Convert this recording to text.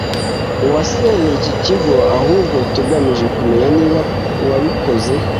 uwasenye iki kigo ahubwo tugamije kumenya niba uwabikoze